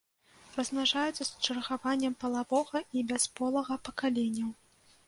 Размнажаюцца з чаргаваннем палавога і бясполага пакаленняў.